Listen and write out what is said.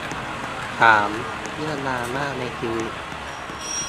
สาม เรื่องดราม่าในชีวิต